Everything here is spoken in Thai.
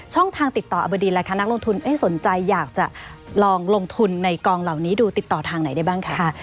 ทางติดต่ออบดีล่ะคะนักลงทุนสนใจอยากจะลองลงทุนในกองเหล่านี้ดูติดต่อทางไหนได้บ้างคะ